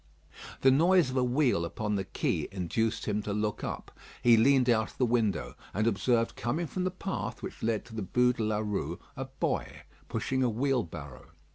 The noise of a wheel upon the quay induced him to look up. He leaned out of the window, and observed coming from the path which led to the Bû de la Rue a boy pushing a wheelbarrow.